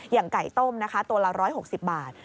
อย่างไก่ต้มนะคะตัวละ๑๖๐บาท